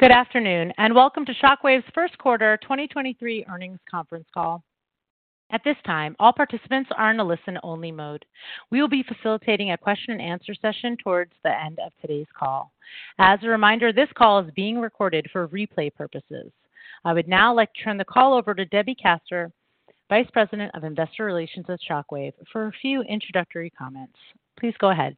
Good afternoon, welcome to Shockwave's first quarter 2023 earnings conference call. At this time, all participants are in a listen-only mode. We will be facilitating a question-and-answer session towards the end of today's call. As a reminder, this call is being recorded for replay purposes. I would now like to turn the call over to Debbie Kaster, Vice President of Investor Relations at Shockwave, for a few introductory comments. Please go ahead.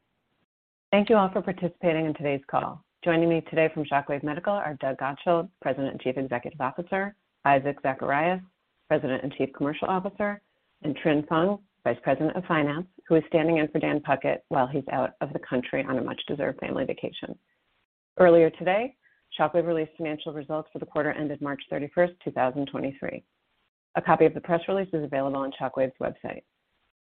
Thank you all for participating in today's call. Joining me today from Shockwave Medical are Doug Godshall, President and Chief Executive Officer, Isaac Zacharias, President and Chief Commercial Officer, and Trinh Phung, Vice President of Finance, who is standing in for Dan Puckett while he's out of the country on a much-deserved family vacation. Earlier today, Shockwave released financial results for the quarter ended March 31st, 2023. A copy of the press release is available on Shockwave's website.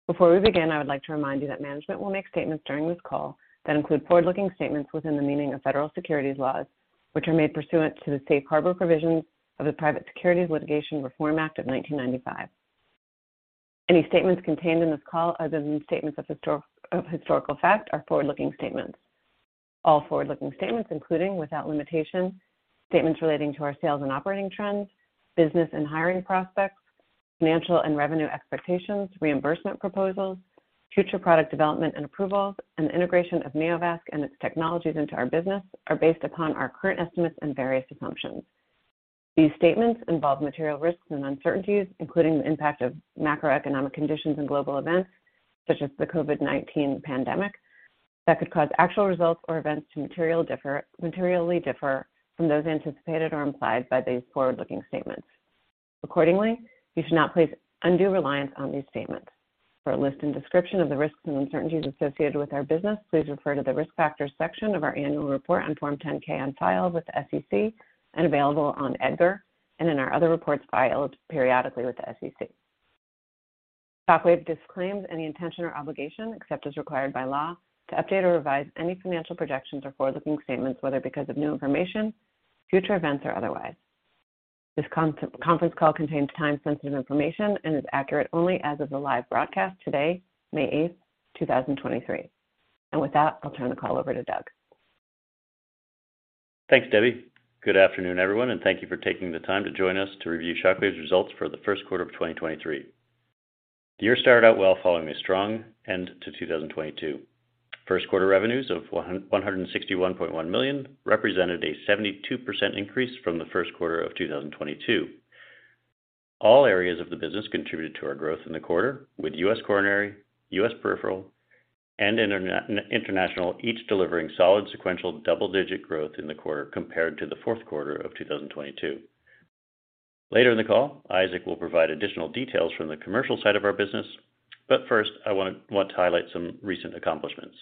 Before we begin, I would like to remind you that management will make statements during this call that include forward-looking statements within the meaning of federal securities laws, which are made pursuant to the Safe Harbor provisions of the Private Securities Litigation Reform Act of 1995. Any statements contained in this call other than statements of historical fact are forward-looking statements. All forward-looking statements, including, without limitation, statements relating to our sales and operating trends, business and hiring prospects, financial and revenue expectations, reimbursement proposals, future product development and approvals, and the integration of Neovasc and its technologies into our business are based upon our current estimates and various assumptions. These statements involve material risks and uncertainties, including the impact of macroeconomic conditions and global events such as the COVID-19 pandemic, that could cause actual results or events to materially differ from those anticipated or implied by these forward-looking statements. Accordingly, you should not place undue reliance on these statements. For a list and description of the risks and uncertainties associated with our business, please refer to the Risk Factors section of our annual report on Form 10-K on file with the SEC and available on EDGAR and in our other reports filed periodically with the SEC. Shockwave disclaims any intention or obligation, except as required by law, to update or revise any financial projections or forward-looking statements, whether because of new information, future events, or otherwise. This conference call contains time-sensitive information and is accurate only as of the live broadcast today, May 8th, 2023. With that, I'll turn the call over to Doug. Thanks, Debbie. Good afternoon, everyone, thank you for taking the time to join us to review Shockwave's results for the first quarter of 2023. The year started out well following a strong end to 2022. First quarter revenues of $161.1 million represented a 72% increase from the first quarter of 2022. All areas of the business contributed to our growth in the quarter, with U.S. coronary, U.S. peripheral, and international each delivering solid sequential double-digit growth in the quarter compared to the fourth quarter of 2022. Later in the call, Isaac will provide additional details from the commercial side of our business, first, I want to highlight some recent accomplishments.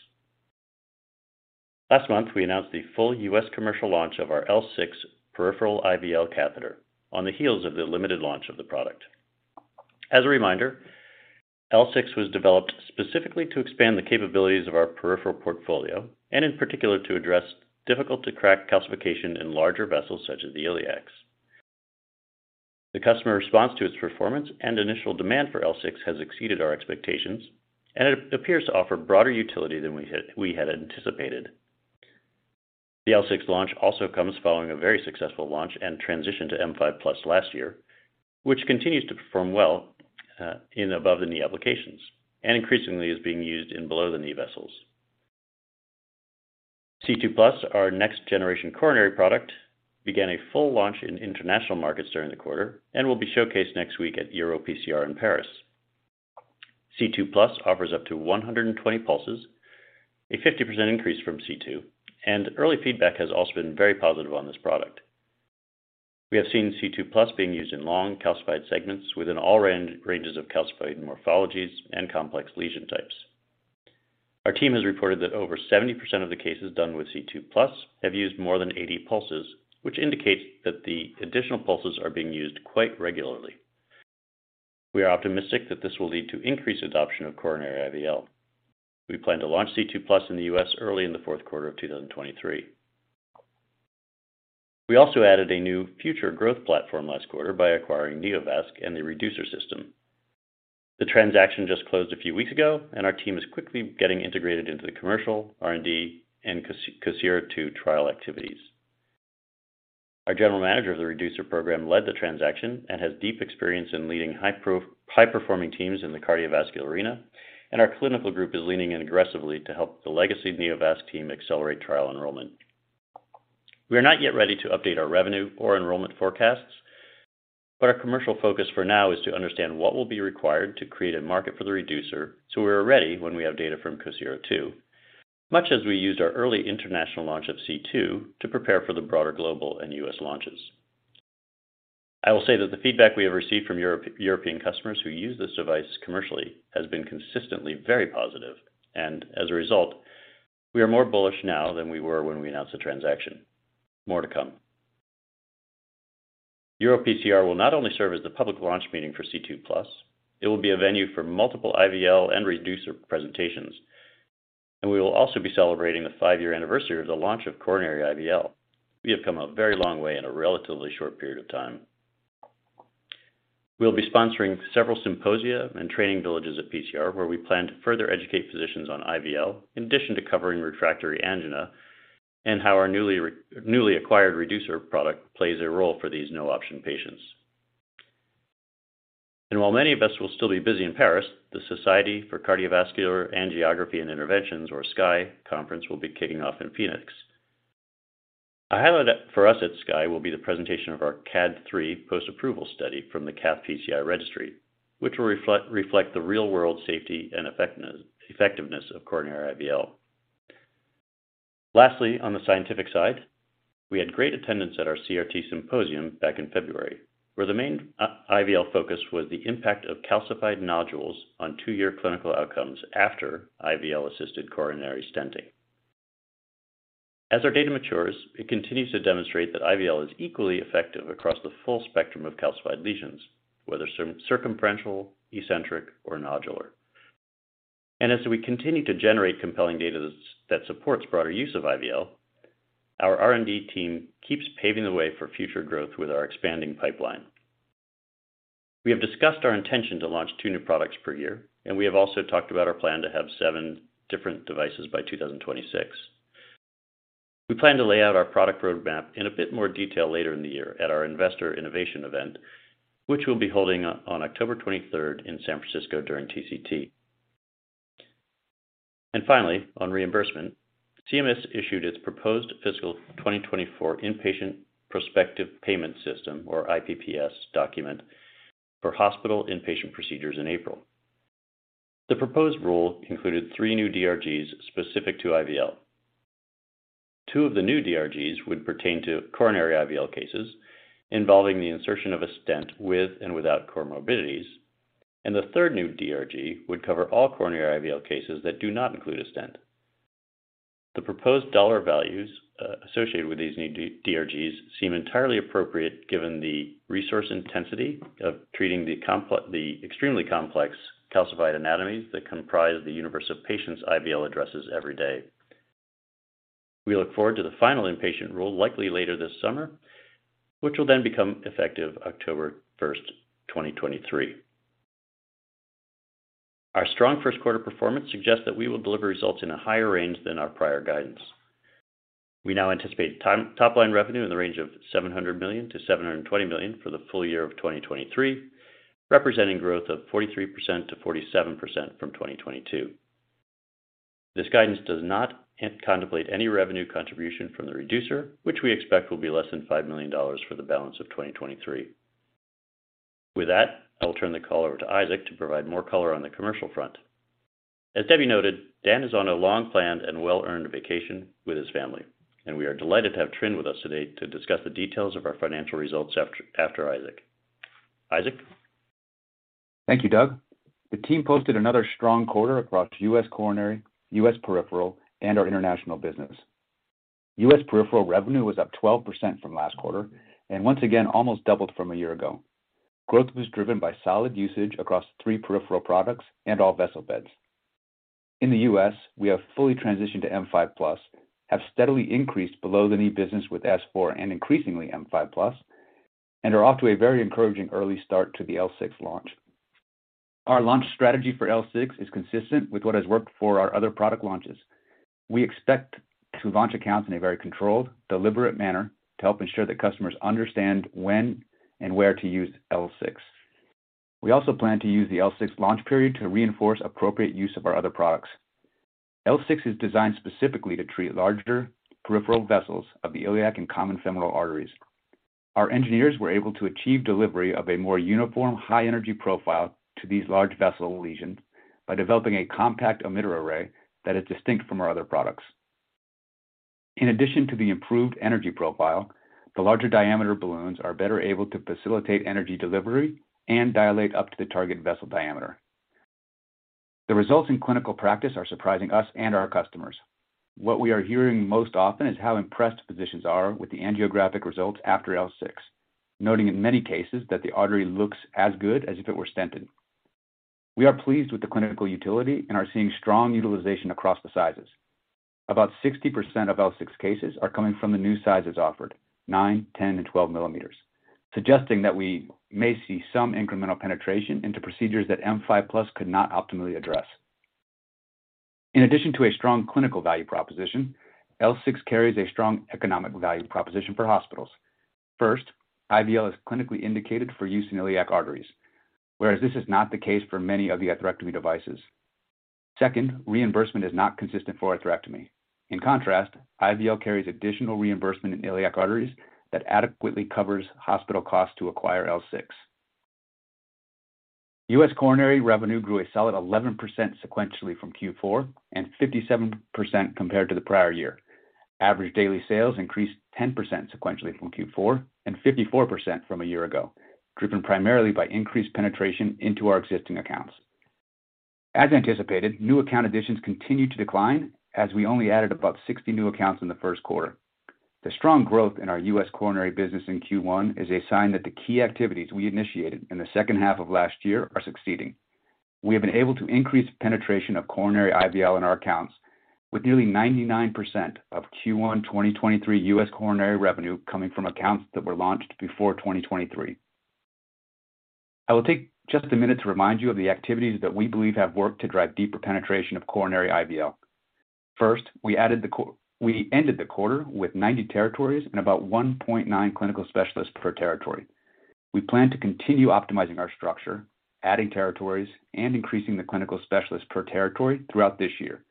Last month, we announced the full U.S. commercial launch of our L6 peripheral IVL catheter on the heels of the limited launch of the product. As a reminder, L6 was developed specifically to expand the capabilities of our peripheral portfolio and, in particular, to address difficult-to-crack calcification in larger vessels such as the iliacs. The customer response to its performance and initial demand for L6 has exceeded our expectations, and it appears to offer broader utility than we had anticipated. The L6 launch also comes following a very successful launch and transition to M5+ last year, which continues to perform well in above-the-knee applications and increasingly is being used in below-the-knee vessels. C2+, our next-generation coronary product, began a full launch in international markets during the quarter and will be showcased next week at EuroPCR in Paris. C2+ offers up to 120 pulses, a 50% increase from C2, and early feedback has also been very positive on this product. We have seen C2+ being used in long, calcified segments within all ranges of calcified morphologies and complex lesion types. Our team has reported that over 70% of the cases done with C2+ have used more than 80 pulses, which indicates that the additional pulses are being used quite regularly. We are optimistic that this will lead to increased adoption of coronary IVL. We plan to launch C2+ in the U.S. early in the fourth quarter of 2023. We also added a new future growth platform last quarter by acquiring Neovasc and the Reducer system. The transaction just closed a few weeks ago, and our team is quickly getting integrated into the commercial, R&D, and COSIRA II trial activities. Our general manager of the Reducer program led the transaction and has deep experience in leading high-performing teams in the cardiovascular arena. Our clinical group is leaning in aggressively to help the legacy Neovasc team accelerate trial enrollment. We are not yet ready to update our revenue or enrollment forecasts. Our commercial focus for now is to understand what will be required to create a market for the Reducer so we are ready when we have data from COSIRA II, much as we used our early international launch of C2 to prepare for the broader global and U.S. launches. I will say that the feedback we have received from European customers who use this device commercially has been consistently very positive. As a result, we are more bullish now than we were when we announced the transaction. More to come. EuroPCR will not only serve as the public launch meeting for C2+, it will be a venue for multiple IVL and Reducer presentations. We will also be celebrating the five-year anniversary of the launch of coronary IVL. We have come a very long way in a relatively short period of time. We'll be sponsoring several symposia and training villages at PCR, where we plan to further educate physicians on IVL, in addition to covering refractory angina and how our newly acquired Reducer product plays a role for these no-option patients. While many of us will still be busy in Paris, the Society for Cardiovascular Angiography & Interventions, or SCAI conference, will be kicking off in Phoenix. A highlight for us at SCAI will be the presentation of our CAD III post-approval study from the CathPCI registry, which will reflect the real-world safety and effectiveness of coronary IVL. Lastly, on the scientific side, we had great attendance at our CRT symposium back in February, where the main IVL focus was the impact of calcified nodules on two-year clinical outcomes after IVL-assisted coronary stenting. As our data matures, it continues to demonstrate that IVL is equally effective across the full spectrum of calcified lesions, whether circumferential, eccentric, or nodular. As we continue to generate compelling data that supports broader use of IVL, our R&D team keeps paving the way for future growth with our expanding pipeline. We have discussed our intention to launch two new products per year, and we have also talked about our plan to have seven different devices by 2026. We plan to lay out our product roadmap in a bit more detail later in the year at our Investor Innovation Event, which we'll be holding on October 23rd in San Francisco during TCT. Finally, on reimbursement, CMS issued its proposed fiscal 2024 Inpatient Prospective Payment System, or IPPS document for hospital inpatient procedures in April. The proposed rule included three new DRGs specific to IVL. Two of the new DRGs would pertain to coronary IVL cases involving the insertion of a stent with and without comorbidities, and the third new DRG would cover all coronary IVL cases that do not include a stent. The proposed dollar values associated with these new DRGs seem entirely appropriate given the resource intensity of treating the extremely complex calcified anatomies that comprise the universe of patients IVL addresses every day. We look forward to the final inpatient rule likely later this summer, which will then become effective October 1, 2023. Our strong 1st quarter performance suggests that we will deliver results in a higher range than our prior guidance. We now anticipate top-line revenue in the range of $700 million-$720 million for the full year of 2023, representing growth of 43%-47% from 2022. This guidance does not contemplate any revenue contribution from the Reducer, which we expect will be less than $5 million for the balance of 2023. I will turn the call over to Isaac to provide more color on the commercial front. As Debbie noted, Dan is on a long-planned and well-earned vacation with his family, and we are delighted to have Trinh with us today to discuss the details of our financial results after Isaac. Isaac? Thank you, Doug. The team posted another strong quarter across U.S. coronary, U.S. peripheral, and our international business. U.S. peripheral revenue was up 12% from last quarter and once again almost doubled from a year ago. Growth was driven by solid usage across three peripheral products and all vessel beds. In the U.S., we have fully transitioned to M5+, have steadily increased below-the-knee business with S4 and increasingly M5+, and are off to a very encouraging early start to the L6 launch. Our launch strategy for L6 is consistent with what has worked for our other product launches. We expect to launch accounts in a very controlled, deliberate manner to help ensure that customers understand when and where to use L6. We also plan to use the L6 launch period to reinforce appropriate use of our other products. L6 is designed specifically to treat larger peripheral vessels of the iliac and common femoral arteries. Our engineers were able to achieve delivery of a more uniform high-energy profile to these large vessel lesions by developing a compact emitter array that is distinct from our other products. In addition to the improved energy profile, the larger diameter balloons are better able to facilitate energy delivery and dilate up to the target vessel diameter. The results in clinical practice are surprising us and our customers. What we are hearing most often is how impressed physicians are with the angiographic results after L6, noting in many cases that the artery looks as good as if it were stented. We are pleased with the clinical utility and are seeing strong utilization across the sizes. About 60% of L6 cases are coming from the new sizes offered, 9 mm, 10 mm, and 12 mm, suggesting that we may see some incremental penetration into procedures that M5+ could not optimally address. In addition to a strong clinical value proposition, L6 carries a strong economic value proposition for hospitals. First, IVL is clinically indicated for use in iliac arteries, whereas this is not the case for many of the atherectomy devices. Second, reimbursement is not consistent for atherectomy. In contrast, IVL carries additional reimbursement in iliac arteries that adequately covers hospital costs to acquire L6. U.S. coronary revenue grew a solid 11% sequentially from Q4 and 57% compared to the prior year. Average daily sales increased 10% sequentially from Q4 and 54% from a year ago, driven primarily by increased penetration into our existing accounts. As anticipated, new account additions continued to decline as we only added about 60 new accounts in the first quarter. The strong growth in our U.S. coronary business in Q1 is a sign that the key activities we initiated in the second half of last year are succeeding. We have been able to increase penetration of coronary IVL in our accounts with nearly 99% of Q1 2023 U.S. coronary revenue coming from accounts that were launched before 2023. I will take just a minute to remind you of the activities that we believe have worked to drive deeper penetration of coronary IVL. First, we ended the quarter with 90 territories and about 1.9 clinical specialists per territory. We plan to continue optimizing our structure, adding territories, and increasing the clinical specialists per territory throughout this year.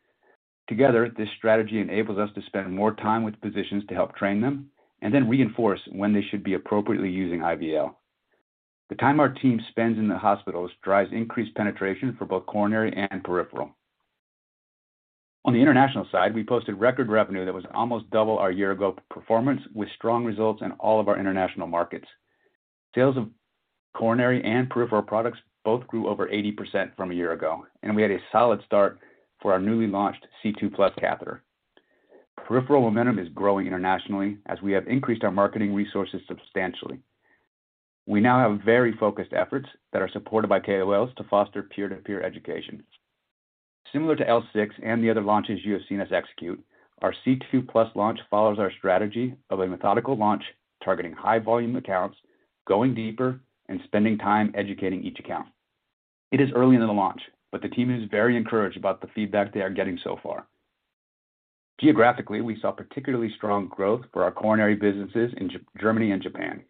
Together, this strategy enables us to spend more time with physicians to help train them and then reinforce when they should be appropriately using IVL. The time our team spends in the hospitals drives increased penetration for both coronary and peripheral. On the international side, we posted record revenue that was almost double our year-ago performance, with strong results in all of our international markets. Sales of coronary and peripheral products both grew over 80% from a year ago, we had a solid start for our newly launched C2+ catheter. Peripheral momentum is growing internationally as we have increased our marketing resources substantially. We now have very focused efforts that are supported by KOLs to foster peer-to-peer education. Similar to L6 and the other launches you have seen us execute, our C2+ launch follows our strategy of a methodical launch, targeting high-volume accounts, going deeper, and spending time educating each account. It is early in the launch, but the team is very encouraged about the feedback they are getting so far. Geographically, we saw particularly strong growth for our coronary businesses in Germany and Japan.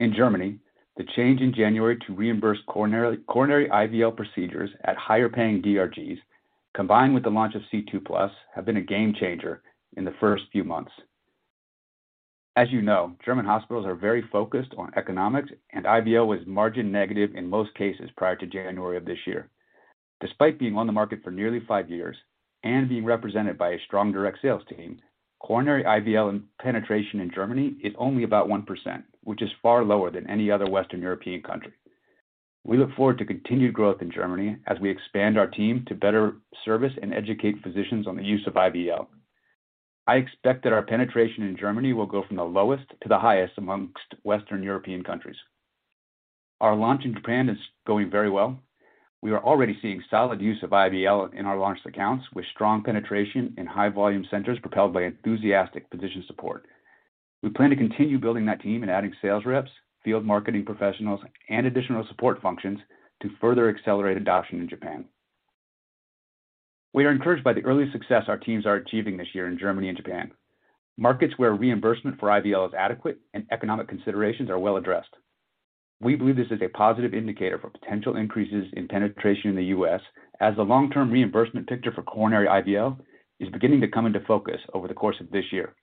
In Germany, the change in January to reimburse coronary IVL procedures at higher-paying DRGs, combined with the launch of C2+, have been a game-changer in the first few months. As you know, German hospitals are very focused on economics, and IVL was margin-negative in most cases prior to January of this year. Despite being on the market for nearly five years and being represented by a strong direct sales team, coronary IVL penetration in Germany is only about 1%, which is far lower than any other Western European country. We look forward to continued growth in Germany as we expand our team to better service and educate physicians on the use of IVL. I expect that our penetration in Germany will go from the lowest to the highest amongst Western European countries. Our launch in Japan is going very well. We are already seeing solid use of IVL in our launched accounts, with strong penetration in high-volume centers propelled by enthusiastic physician support. We plan to continue building that team and adding sales reps, field marketing professionals, and additional support functions to further accelerate adoption in Japan. We are encouraged by the early success our teams are achieving this year in Germany and Japan, markets where reimbursement for IVL is adequate and economic considerations are well addressed. We believe this is a positive indicator for potential increases in penetration in the U.S. as the long-term reimbursement picture for coronary IVL is beginning to come into focus over the course of this year.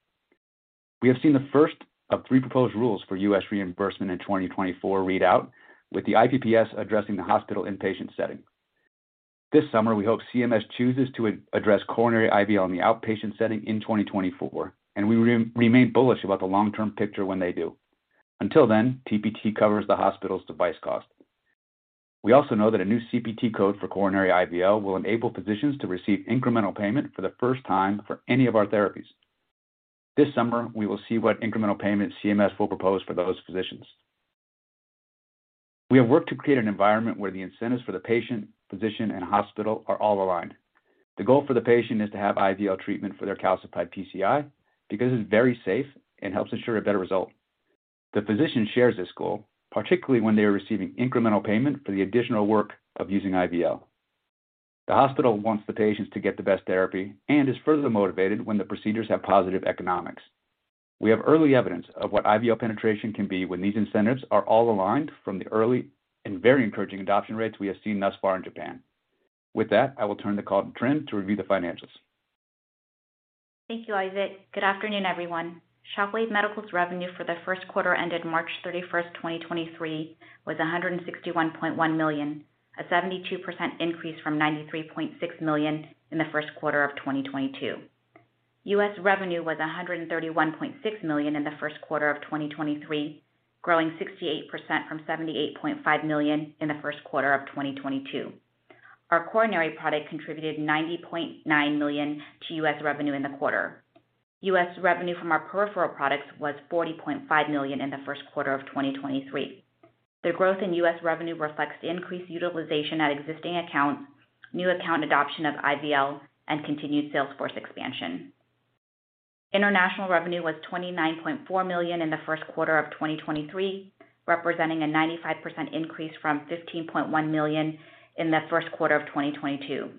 We have seen the first of three proposed rules for U.S. reimbursement in 2024 read out, with the IPPS addressing the hospital inpatient setting. This summer, we hope CMS chooses to address coronary IVL in the outpatient setting in 2024, and we remain bullish about the long-term picture when they do. Until then, TPT covers the hospital's device cost. We also know that a new CPT code for coronary IVL will enable physicians to receive incremental payment for the first time for any of our therapies. This summer, we will see what incremental payment CMS will propose for those physicians. We have worked to create an environment where the incentives for the patient, physician, and hospital are all aligned. The goal for the patient is to have IVL treatment for their calcified PCI because it's very safe and helps ensure a better result. The physician shares this goal, particularly when they are receiving incremental payment for the additional work of using IVL. The hospital wants the patients to get the best therapy and is further motivated when the procedures have positive economics. We have early evidence of what IVL penetration can be when these incentives are all aligned from the early and very encouraging adoption rates we have seen thus far in Japan. With that, I will turn the call to Trinh to review the financials. Thank you, Isaac. Good afternoon, everyone. Shockwave Medical's revenue for the first quarter ended March 31, 2023, was $161.1 million, a 72% increase from $93.6 million in the first quarter of 2022. U.S. revenue was $131.6 million in the first quarter of 2023, growing 68% from $78.5 million in the first quarter of 2022. Our coronary product contributed $90.9 million to U.S. revenue in the quarter. U.S. revenue from our peripheral products was $40.5 million in the first quarter of 2023. The growth in U.S. revenue reflects the increased utilization at existing accounts, new account adoption of IVL, and continued salesforce expansion. International revenue was $29.4 million in the first quarter of 2023, representing a 95% increase from $15.1 million in the first quarter of 2022.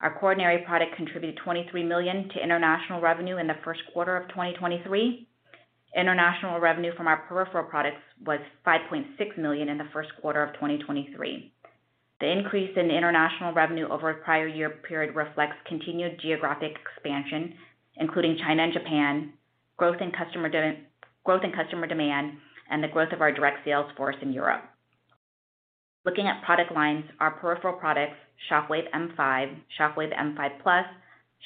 Our coronary product contributed $23 million to international revenue in the first quarter of 2023. International revenue from our peripheral products was $5.6 million in the first quarter of 2023. The increase in international revenue over the prior year period reflects continued geographic expansion, including China and Japan, growth in customer demand, and the growth of our direct sales force in Europe. Looking at product lines, our peripheral products, Shockwave M5, Shockwave M5+,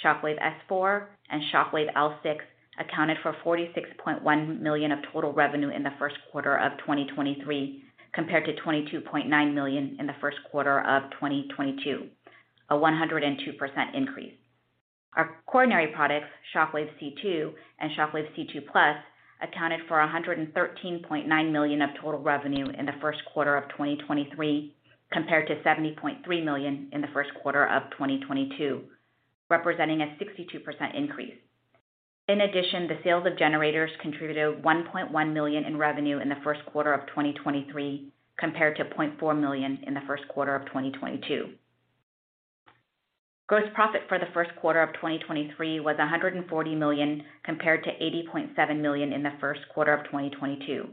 Shockwave S4, and Shockwave L6, accounted for $46.1 million of total revenue in the first quarter of 2023, compared to $22.9 million in the first quarter of 2022, a 102% increase. Our coronary products, Shockwave C2 and Shockwave C2+, accounted for $113.9 million of total revenue in the first quarter of 2023, compared to $70.3 million in the first quarter of 2022, representing a 62% increase. In addition, the sales of generators contributed $1.1 million in revenue in the first quarter of 2023, compared to $0.4 million in the first quarter of 2022. Gross profit for the first quarter of 2023 was $140 million, compared to $80.7 million in the first quarter of 2022.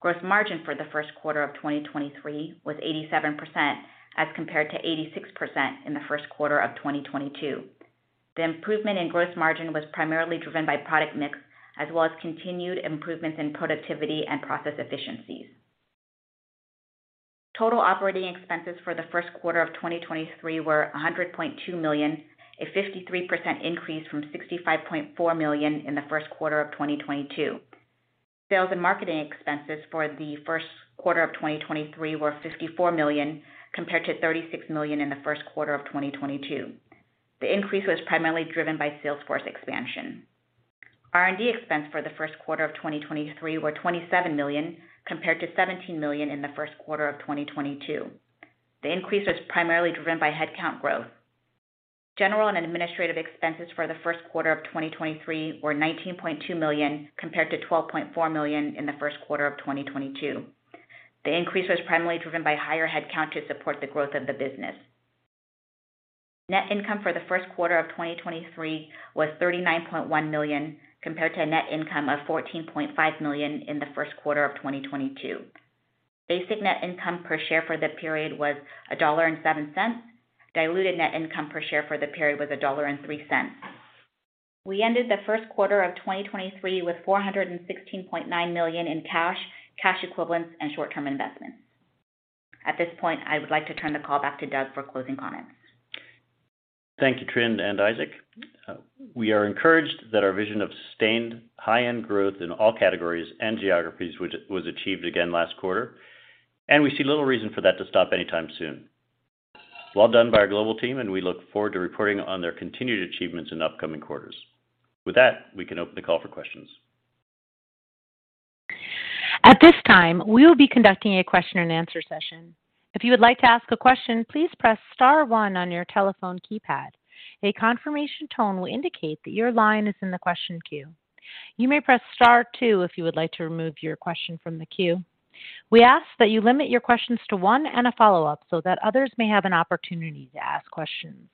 Gross margin for the first quarter of 2023 was 87%, as compared to 86% in the first quarter of 2022. The improvement in gross margin was primarily driven by product mix, as well as continued improvements in productivity and process efficiencies. Total operating expenses for the first quarter of 2023 were $100.2 million, a 53% increase from $65.4 million in the first quarter of 2022. Sales and marketing expenses for the first quarter of 2023 were $54 million, compared to $36 million in the first quarter of 2022. The increase was primarily driven by sales force expansion. R&D expense for the first quarter of 2023 were $27 million, compared to $17 million in the first quarter of 2022. The increase was primarily driven by headcount growth. General and administrative expenses for the first quarter of 2023 were $19.2 million, compared to $12.4 million in the first quarter of 2022. The increase was primarily driven by higher headcount to support the growth of the business. Net income for the first quarter of 2023 was $39.1 million, compared to a net income of $14.5 million in the first quarter of 2022. Basic net income per share for the period was $1.07. Diluted net income per share for the period was $1.03. We ended the first quarter of 2023 with $416.9 million in cash equivalents, and short-term investments. At this point, I would like to turn the call back to Doug for closing comments. Thank you, Trinh and Isaac. We are encouraged that our vision of sustained high-end growth in all categories and geographies which was achieved again last quarter, and we see little reason for that to stop anytime soon. Well done by our global team. We look forward to reporting on their continued achievements in upcoming quarters. With that, we can open the call for questions. At this time, we will be conducting a question and answer session. If you would like to ask a question, please press star one on your telephone keypad. A confirmation tone will indicate that your line is in the question queue. You may press star two if you would like to remove your question from the queue. We ask that you limit your questions to one and a follow-up so that others may have an opportunity to ask questions.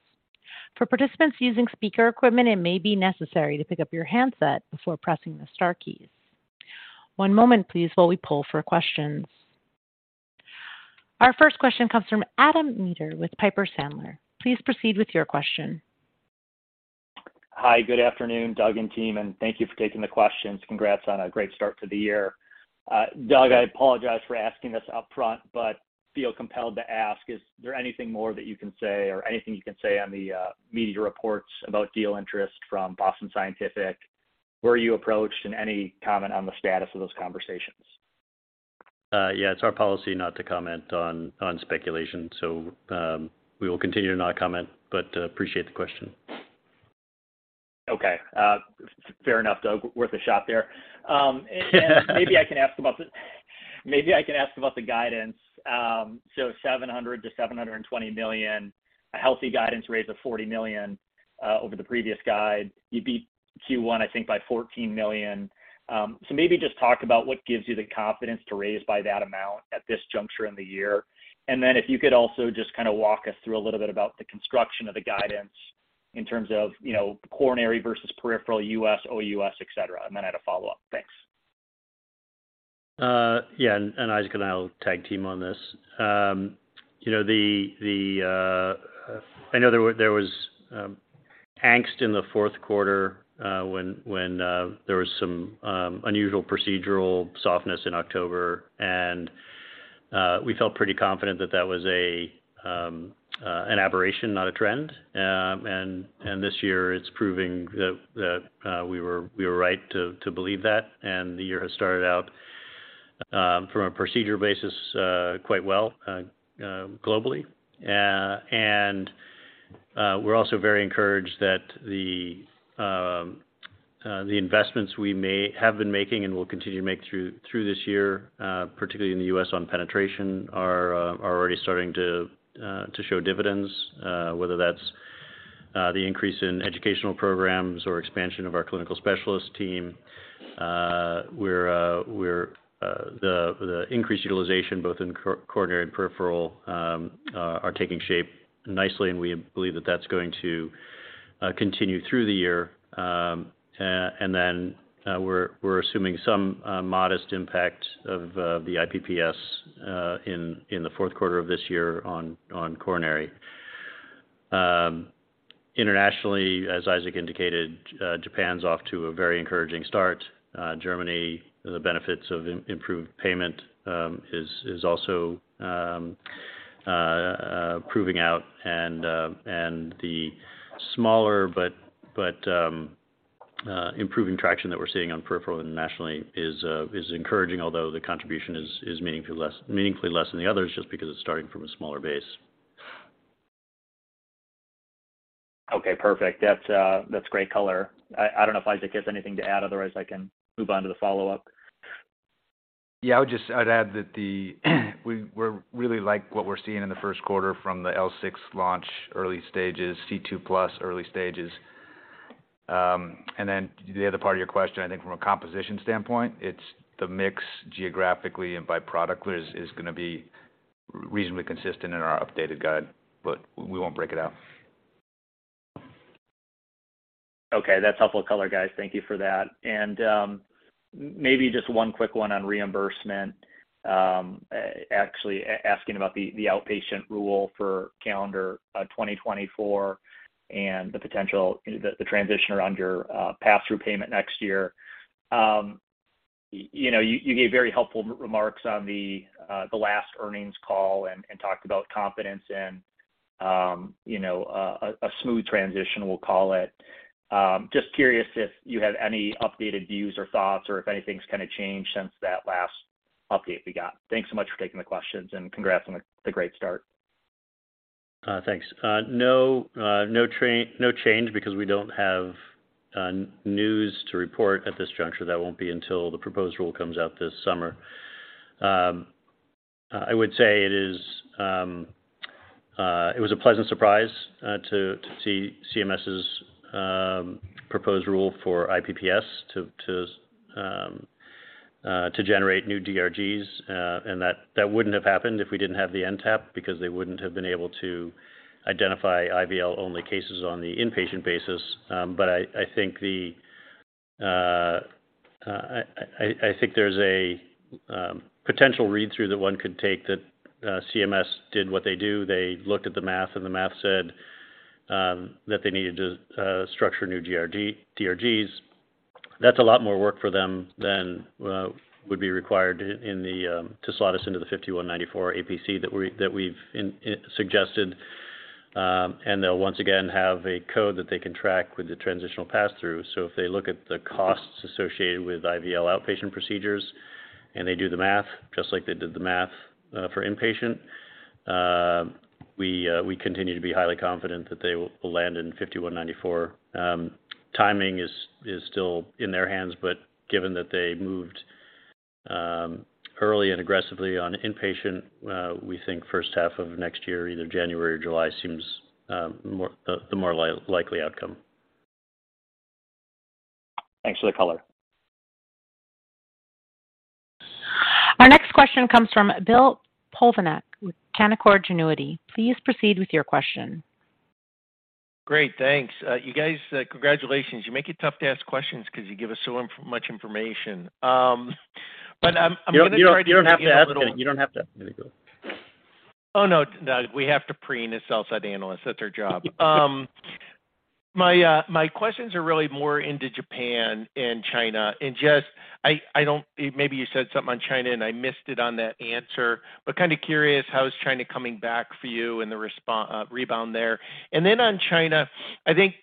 For participants using speaker equipment, it may be necessary to pick up your handset before pressing the star keys. One moment please while we poll for questions. Our first question comes from Adam Maeder with Piper Sandler. Please proceed with your question. Hi, good afternoon, Doug and team, and thank you for taking the questions. Congrats on a great start to the year. Doug, I apologize for asking this upfront, but feel compelled to ask, is there anything more that you can say or anything you can say on the media reports about deal interest from Boston Scientific? Were you approached, and any comment on the status of those conversations? Yeah, it's our policy not to comment on speculation. We will continue to not comment, but appreciate the question. Okay. Fair enough, Doug. Worth a shot there. Maybe I can ask about the guidance. $700 million-$720 million, a healthy guidance raise of $40 million over the previous guide. You beat Q1, I think, by $14 million. Maybe just talk about what gives you the confidence to raise by that amount at this juncture in the year. Then if you could also just kind of walk us through a little bit about the construction of the guidance in terms of, you know, coronary versus peripheral, U.S., OUS, et cetera. Then I had a follow-up. Thanks. Isaac and I will tag team on this. You know, the I know there was angst in the fourth quarter, when there was some unusual procedural softness in October, and we felt pretty confident that that was an aberration, not a trend. This year it's proving that we were right to believe that. The year has started out from a procedure basis, quite well, globally. We're also very encouraged that the investments we may have been making and will continue to make through this year, particularly in the U.S. on penetration are already starting to show dividends, whether that's the increase in educational programs or expansion of our clinical specialist team. The increased utilization both in coronary and peripheral are taking shape nicely, and we believe that that's going to continue through the year. We're assuming some modest impact of the IPPS in the fourth quarter of this year on coronary. Internationally, as Isaac indicated, Japan's off to a very encouraging start. Germany, the benefits of improved payment, is also proving out and the smaller but improving traction that we're seeing on peripheral internationally is encouraging, although the contribution is meaningfully less than the others just because it's starting from a smaller base. Okay, perfect. That's great color. I don't know if Isaac has anything to add, otherwise I can move on to the follow-up. Yeah, I'd add that we really like what we're seeing in the first quarter from the L6 launch early stages, C2+ early stages. The other part of your question, I think from a composition standpoint, it's the mix geographically and by product is gonna be reasonably consistent in our updated guide, but we won't break it out. Okay, that's helpful color, guys. Thank you for that. Maybe just one quick one on reimbursement, actually asking about the outpatient rule for calendar 2024 and the transition around your passthrough payment next year. You know, you gave very helpful remarks on the last earnings call and talked about confidence and, you know, a smooth transition, we'll call it. Just curious if you had any updated views or thoughts or if anything's kinda changed since that last update we got. Thanks so much for taking the questions, and congrats on the great start. Thanks. No, no change because we don't have news to report at this juncture. That won't be until the proposed rule comes out this summer. I would say it is, it was a pleasant surprise to see CMS's proposed rule for IPPS to generate new DRGs, and that wouldn't have happened if we didn't have the NTAP because they wouldn't have been able to identify IVL-only cases on the inpatient basis. I think there's a potential read-through that one could take that CMS did what they do. They looked at the math, and the math said that they needed to structure new DRGs. That's a lot more work for them than would be required to slot us into the 5194 APC that we've suggested, and they'll once again have a code that they can track with the Transitional Pass-Through. If they look at the costs associated with IVL outpatient procedures, and they do the math just like they did the math for inpatient, we continue to be highly confident that they will land in 5194. Timing is still in their hands. Given that they moved early and aggressively on inpatient, we think first half of next year, either January or July, seems the more likely outcome. Thanks for the color. Our next question comes from Bill Plovanic with Canaccord Genuity. Please proceed with your question. Great. Thanks. You guys, congratulations. You make it tough to ask questions 'cause you give us so much information. I'm gonna try to. You don't have to ask many. You don't have to ask many, Bill. Oh, no. We have to preen as sell-side analysts. That's our job. My questions are really more into Japan and China. Just, maybe you said something on China, and I missed it on that answer, but kinda curious how is China coming back for you and the rebound there. On China, I think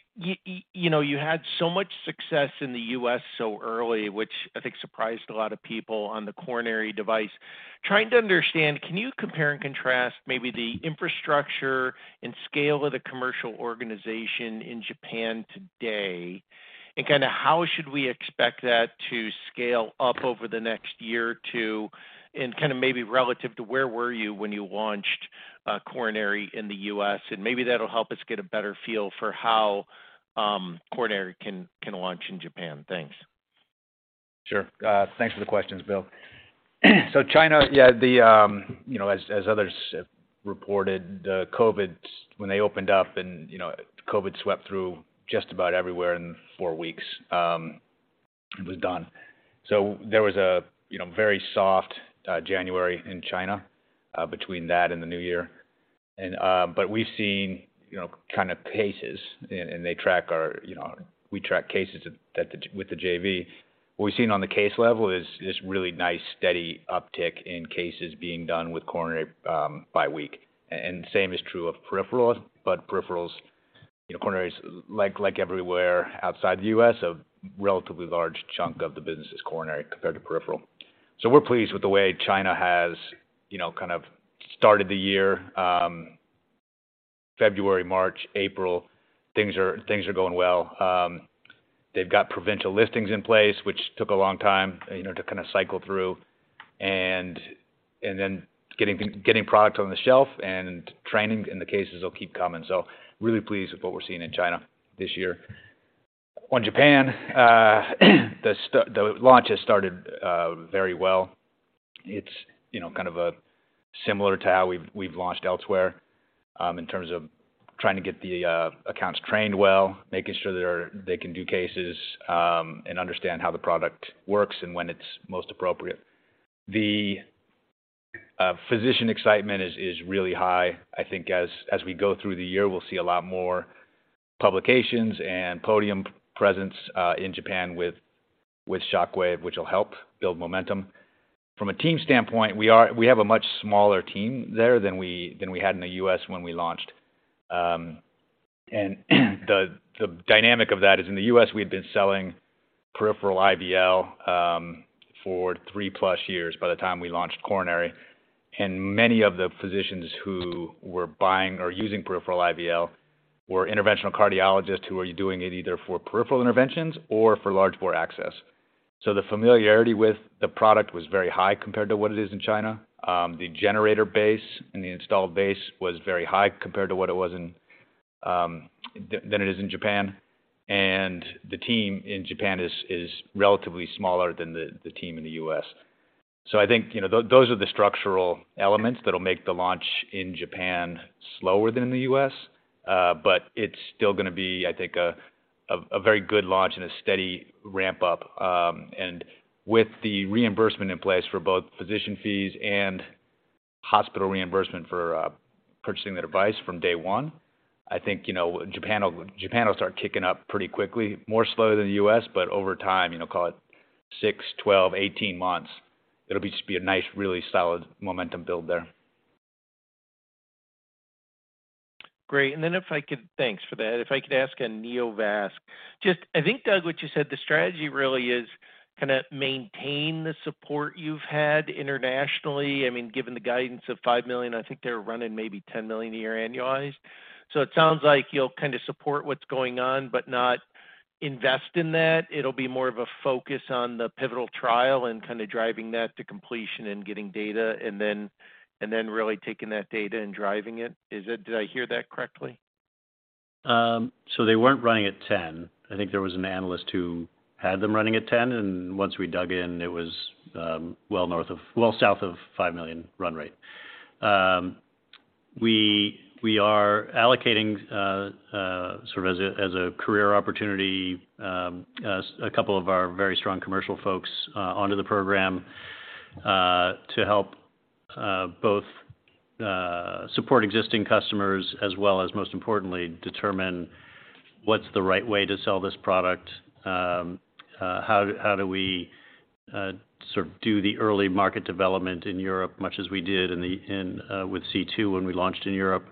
you know, you had so much success in the US so early, which I think surprised a lot of people on the coronary device. Trying to understand, can you compare and contrast maybe the infrastructure and scale of the commercial organization in Japan today, and kinda how should we expect that to scale up over the next year or two, and kinda maybe relative to where were you when you launched coronary in the U.S.? maybe that'll help us get a better feel for how coronary can launch in Japan. Thanks. Sure. Thanks for the questions, Bill. China, yeah, the, you know, as others have reported, COVID, when they opened up and, you know, COVID swept through just about everywhere in four weeks, it was done. There was a, you know, very soft January in China, between that and the new year. We've seen, you know, kind of paces and they track our, you know, we track cases at the JV. What we've seen on the case level is really nice, steady uptick in cases being done with coronary by week. Same is true of peripheral, but peripherals, you know, coronary is like everywhere outside the U.S., a relatively large chunk of the business is coronary compared to peripheral. We're pleased with the way China has, you know, kind of started the year. February, March, April, things are going well. They've got provincial listings in place, which took a long time, you know, to kind of cycle through and then getting product on the shelf and training, and the cases will keep coming. Really pleased with what we're seeing in China this year. On Japan, the launch has started very well. It's, you know, kind of similar to how we've launched elsewhere, in terms of trying to get the accounts trained well, making sure that they can do cases, and understand how the product works and when it's most appropriate. The physician excitement is really high. I think as we go through the year, we'll see a lot more publications and podium presence in Japan with Shockwave, which will help build momentum. From a team standpoint, we have a much smaller team there than we had in the U.S. when we launched. The dynamic of that is in the U.S., we've been selling peripheral IVL for three plus years by the time we launched coronary. Many of the physicians who were buying or using peripheral IVL were interventional cardiologists who were doing it either for peripheral interventions or for large bore access. The familiarity with the product was very high compared to what it is in China. The generator base and the installed base was very high compared to what it was in, than it is in Japan. The team in Japan is relatively smaller than the team in the U.S. I think, you know, those are the structural elements that'll make the launch in Japan slower than the U.S. It's still gonna be, I think, a very good launch and a steady ramp-up. With the reimbursement in place for both physician fees and hospital reimbursement for purchasing the device from day one, I think, you know, Japan will start kicking up pretty quickly, more slower than the U.S., but over time, you know, call it six, 12, 18 months, just be a nice, really solid momentum build there. Great. Thanks for that. If I could ask on Neovasc. Just I think, Doug, what you said, the strategy really is kinda maintain the support you've had internationally. I mean, given the guidance of $5 million, I think they're running maybe $10 million a year annualized. It sounds like you'll kinda support what's going on but not invest in that. It'll be more of a focus on the pivotal trial and kinda driving that to completion and getting data and then really taking that data and driving it. Is it? Did I hear that correctly? They weren't running at 10. I think there was an analyst who had them running at 10. Once we dug in, it was, well south of $5 million run rate. We are allocating, sort of as a career opportunity, a couple of our very strong commercial folks onto the program to help both support existing customers as well as most importantly, determine what's the right way to sell this product. How do we sort of do the early market development in Europe, much as we did in with C2 when we launched in Europe,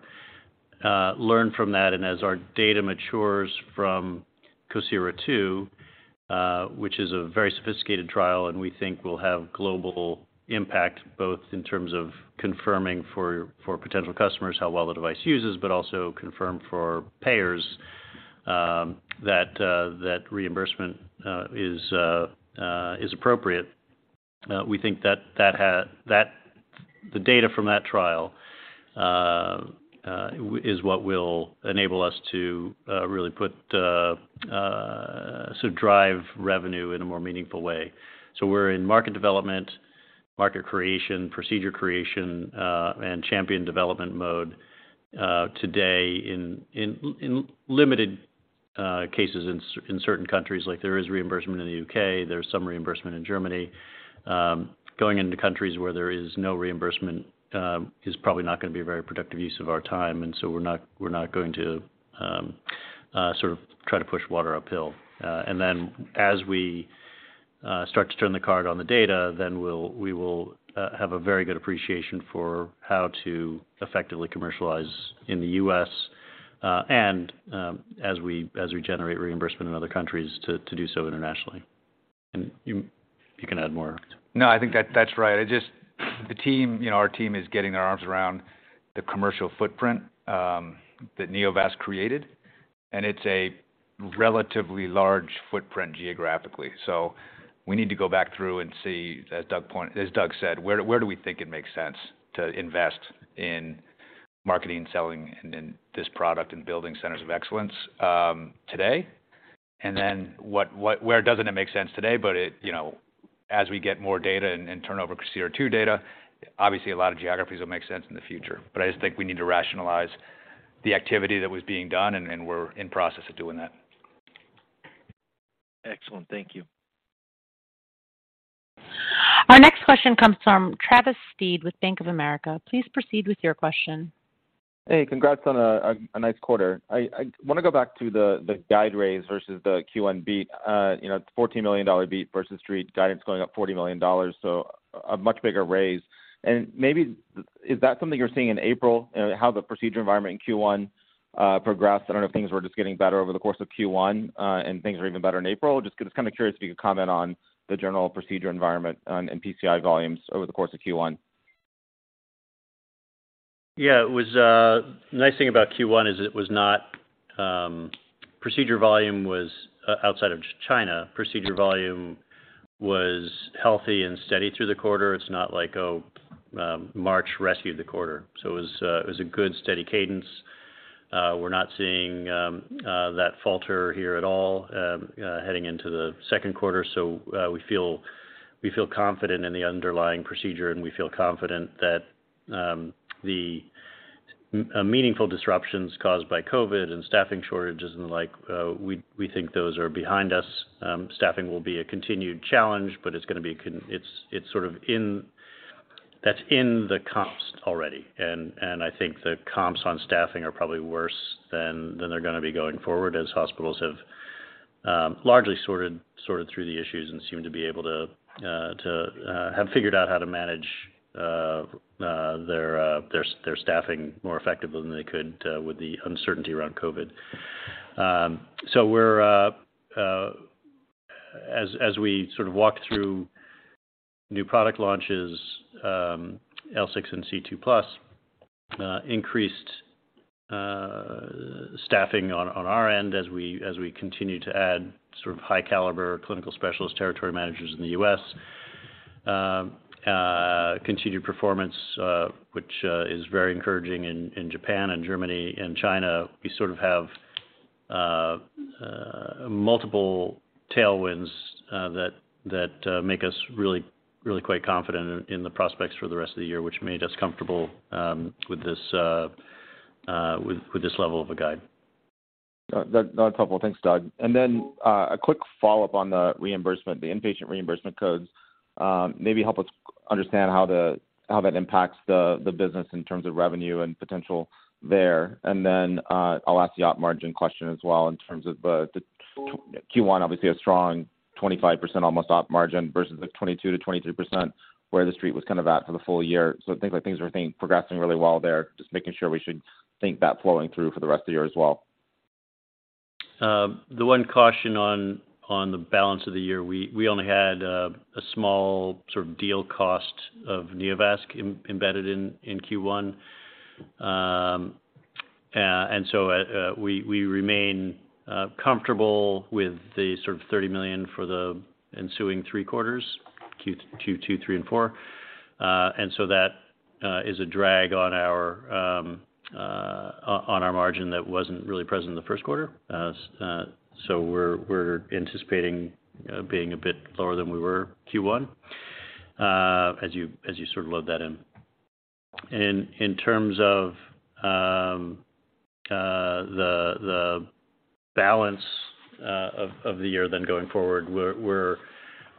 learn from that. As our data matures from COSIRA II, which is a very sophisticated trial, and we think will have global impact, both in terms of confirming for potential customers how well the device uses, but also confirm for payers that reimbursement is appropriate. We think that the data from that trial is what will enable us to really put sort of drive revenue in a more meaningful way. We're in market development, market creation, procedure creation, and champion development mode today in limited cases in certain countries, like there is reimbursement in the U.K., there's some reimbursement in Germany. Going into countries where there is no reimbursement, is probably not gonna be a very productive use of our time, and so we're not, we're not going to, sort of try to push water uphill. As we, start to turn the card on the data, then we will, have a very good appreciation for how to effectively commercialize in the U.S., and, as we generate reimbursement in other countries to do so internationally. You can add more. No, I think that's right. The team, you know, our team is getting their arms around the commercial footprint, that Neovasc created, and it's a relatively large footprint geographically. We need to go back through and see, as Doug said, where do we think it makes sense to invest in marketing, selling and in this product and building centers of excellence, today? Then where doesn't it make sense today, but it, you know, as we get more data and turn over COSIRA II data, obviously a lot of geographies will make sense in the future. I just think we need to rationalize the activity that was being done, and we're in process of doing that. Excellent. Thank you. Our next question comes from Travis Steed with Bank of America. Please proceed with your question. Hey, congrats on a nice quarter. I wanna go back to the guide raise versus the Q1 beat. you know, it's $14 million beat versus street guidance going up $40 million. A much bigger raise. Maybe is that something you're seeing in April, you know, how the procedure environment in Q1 progressed? I don't know if things were just getting better over the course of Q1 and things are even better in April. Just kinda curious if you could comment on the general procedure environment and PCI volumes over the course of Q1. It was. The nice thing about Q1 is it was not, procedure volume was, outside of China, procedure volume was healthy and steady through the quarter. It's not like March rescued the quarter. It was a good steady cadence. We're not seeing that falter here at all, heading into the second quarter. We feel confident in the underlying procedure, and we feel confident that the meaningful disruptions caused by COVID and staffing shortages and the like, we think those are behind us. Staffing will be a continued challenge, but it's gonna be sort of in that's in the comps already. I think the comps on staffing are probably worse than they're gonna be going forward as hospitals have largely sorted through the issues and seem to be able to have figured out how to manage their staffing more effectively than they could with the uncertainty around COVID. As we sort of walk through new product launches, L6 and C2+, increased staffing on our end as we continue to add sort of high caliber clinical specialist territory managers in the U.S. Continued performance which is very encouraging in Japan and Germany and China. We sort of have multiple tailwinds that make us really, really quite confident in the prospects for the rest of the year, which made us comfortable with this level of a guide. That's helpful. Thanks, Doug. Then, a quick follow-up on the reimbursement, the inpatient reimbursement codes, maybe help us understand how that impacts the business in terms of revenue and potential there. Then, I'll ask the Op margin question as well in terms of the Q1, obviously a strong 25% almost Op margin versus the 22%-23%, where the Street was kind of at for the full year. It seems like things are progressing really well there. Just making sure we should think that flowing through for the rest of the year as well. The one caution on the balance of the year, we only had a small sort of deal cost of Neovasc embedded in Q1. We remain comfortable with the sort of $30 million for the ensuing three quarters, Q2, Q3, and Q4. That is a drag on our margin that wasn't really present in the first quarter. So we're anticipating being a bit lower than we were Q1, as you sort of load that in. In terms of the balance of the year then going forward,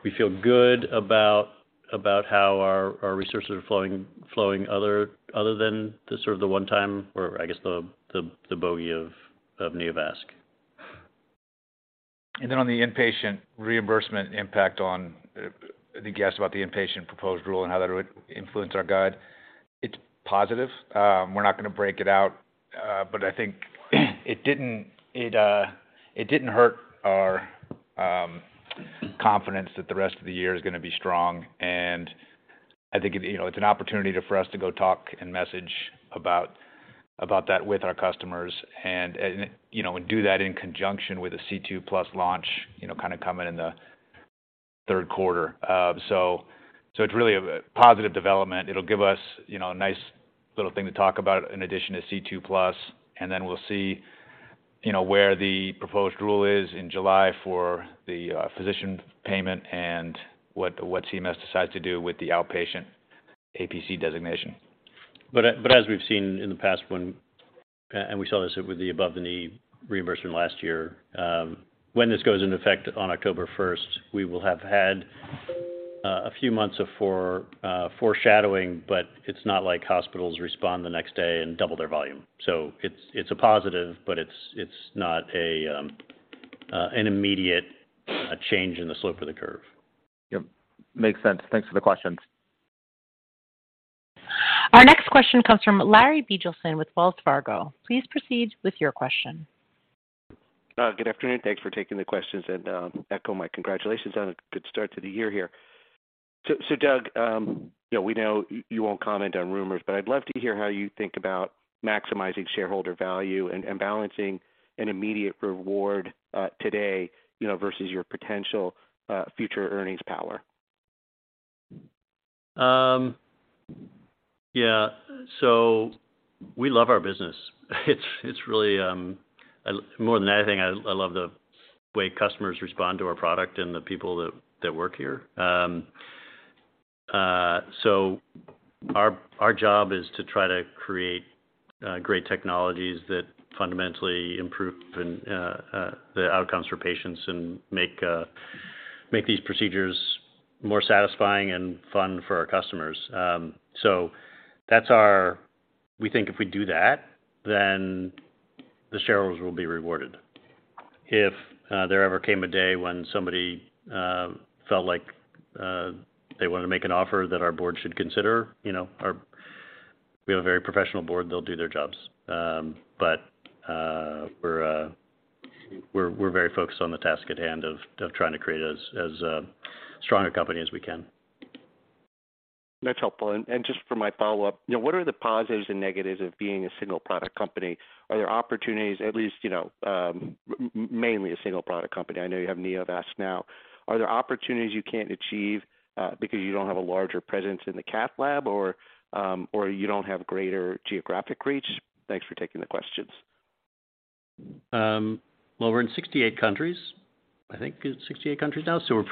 we feel good about how our resources are flowing other than the sort of the one time, or I guess the bogey of Neovasc. Then on the inpatient reimbursement impact on the guess about the inpatient proposed rule and how that would influence our guide, it's positive. We're not gonna break it out, but I think it didn't hurt our confidence that the rest of the year is gonna be strong. I think, you know, it's an opportunity for us to go talk and message about that with our customers. And, you know, and do that in conjunction with the C2+ launch, you know, kinda coming in the third quarter. So it's really a positive development. It'll give us, you know, a nice little thing to talk about in addition to C2+, and then we'll see, you know, where the proposed rule is in July for the physician payment and what CMS decides to do with the outpatient APC designation. As we've seen in the past, when we saw this with the above-the-knee reimbursement last year, when this goes into effect on October 1st, we will have had a few months of foreshadowing, but it's not like hospitals respond the next day and double their volume. It's, it's a positive, but it's not an immediate change in the slope of the curve. Yep. Makes sense. Thanks for the questions. Our next question comes from Larry Biegelsen with Wells Fargo. Please proceed with your question. Good afternoon. Thanks for taking the questions, and echo my congratulations on a good start to the year here. Doug, you know, we know you won't comment on rumors, but I'd love to hear how you think about maximizing shareholder value and balancing an immediate reward today, you know, versus your potential future earnings power? Yeah. We love our business. It's really, more than anything, I love the way customers respond to our product and the people that work here. Our job is to try to create great technologies that fundamentally improve and the outcomes for patients and make these procedures more satisfying and fun for our customers. That's our. We think if we do that, then the shareholders will be rewarded. If there ever came a day when somebody felt like they wanna make an offer that our board should consider, you know, our. We have a very professional board, they'll do their jobs. We're very focused on the task at hand of trying to create as strong a company as we can. That's helpful. Just for my follow-up, you know, what are the positives and negatives of being a single product company? Are there opportunities at least, you know, mainly a single product company? I know you have Neovasc now. Are there opportunities you can't achieve because you don't have a larger presence in the cath lab or you don't have greater geographic reach? Thanks for taking the questions. We're in 68 countries. I think it's 68 countries now, so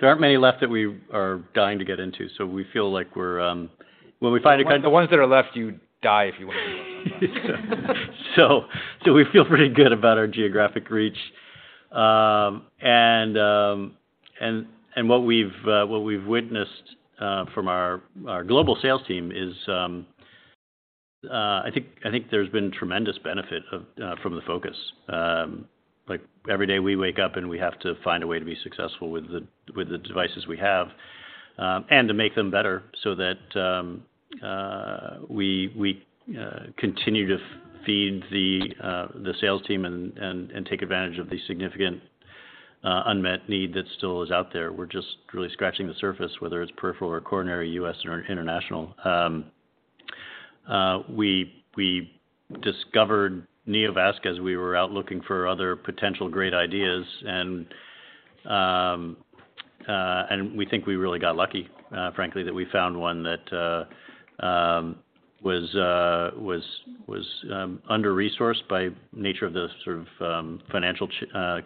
there aren't many left that we are dying to get into, so we feel like we're when we find a country. The ones that are left, you die if you wanna do them. We feel pretty good about our geographic reach. And what we've witnessed from our global sales team is, I think there's been tremendous benefit of from the focus. Like, every day we wake up and we have to find a way to be successful with the devices we have, and to make them better so that we continue to feed the sales team and take advantage of the significant unmet need that still is out there. We're just really scratching the surface, whether it's peripheral or coronary, U.S. or international. We discovered Neovasc as we were out looking for other potential great ideas. We think we really got lucky, frankly, that we found one that was under-resourced by nature of the sort of financial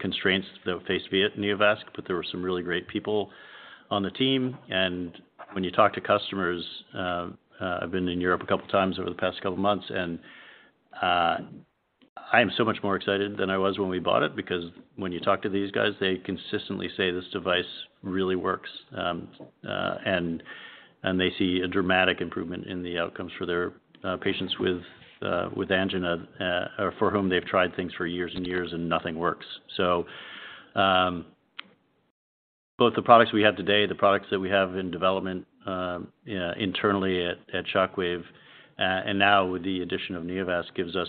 constraints that faced via Neovasc. There were some really great people on the team. When you talk to customers, I've been in Europe two times over the past two months. I am so much more excited than I was when we bought it, because when you talk to these guys, they consistently say this device really works. They see a dramatic improvement in the outcomes for their patients with angina, for whom they've tried things for years and years. Nothing works. Both the products we have today, the products that we have in development, internally at Shockwave, and now with the addition of Neovasc, gives us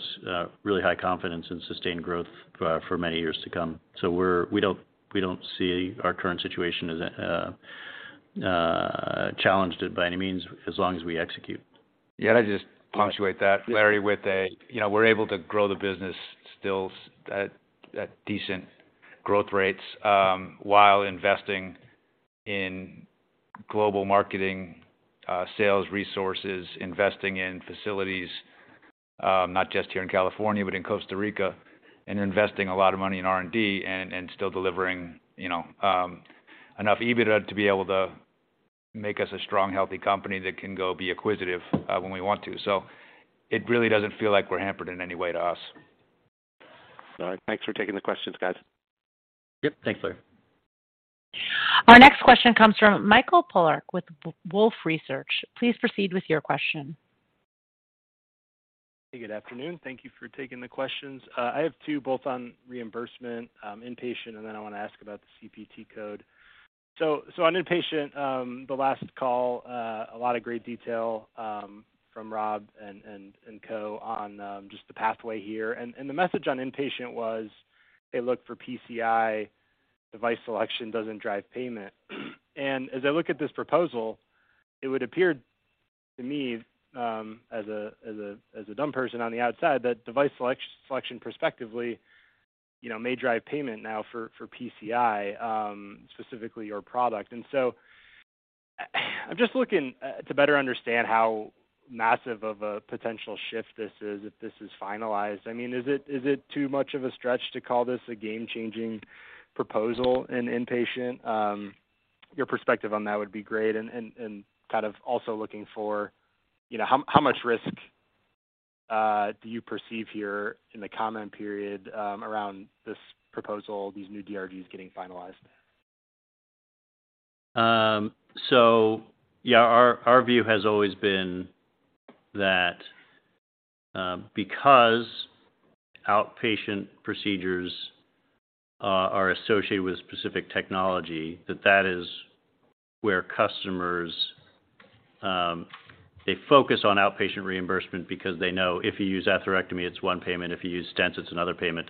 really high confidence in sustained growth for many years to come. We don't, we don't see our current situation as challenged by any means as long as we execute. I just punctuate that, Larry, with, you know, we're able to grow the business still at decent growth rates while investing in global marketing, sales resources, investing in facilities, not just here in California, but in Costa Rica, and investing a lot of money in R&D and still delivering, you know, enough EBITDA to be able to make us a strong, healthy company that can go be acquisitive when we want to. It really doesn't feel like we're hampered in any way to us. All right. Thanks for taking the questions, guys. Yep. Thanks, Larry. Our next question comes from Mike Polark with Wolfe Research. Please proceed with your question. Hey, good afternoon. Thank you for taking the questions. I have two, both on reimbursement, inpatient. I wanna ask about the CPT code. On inpatient, the last call, a lot of great detail from Rob and co on just the pathway here. The message on inpatient was they look for PCI, device selection doesn't drive payment. As I look at this proposal, it would appear to me, as a dumb person on the outside, that device selection perspectively, you know, may drive payment now for PCI, specifically your product. I'm just looking to better understand how massive of a potential shift this is if this is finalized. I mean, is it too much of a stretch to call this a game-changing proposal in inpatient? Your perspective on that would be great. Kind of also looking for, you know, how much risk do you perceive here in the comment period around this proposal, these new DRGs getting finalized? Our view has always been that because outpatient procedures are associated with specific technology, that that is where customers they focus on outpatient reimbursement because they know if you use atherectomy, it's one payment, if you use stents, it's another payment.